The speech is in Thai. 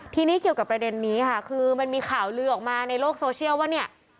ทีนี้เกี่ยวกับประเด็นนี้ค่ะคือมันมีข่าวลือออกมาในโลกโซเชียลว่าเนี่ย